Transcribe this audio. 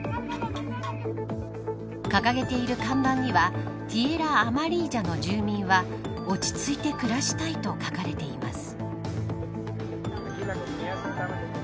掲げている看板にはティエラ・アマリージャの住民は落ち着いて暮らしたいと書かれています。